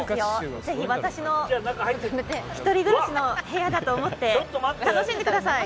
ぜひ私の１人暮らしの部屋だと思って楽しんでください。